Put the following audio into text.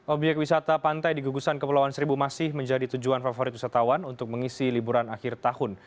obyek wisata pantai di gugusan kepulauan seribu masih menjadi tujuan favorit wisatawan untuk mengisi liburan akhir tahun